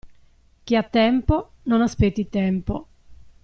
Chi ha tempo non aspetti tempo.